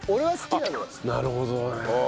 なるほどね。